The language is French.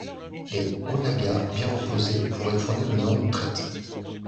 Les onaggas, bien reposés, pourraient fournir une longue traite.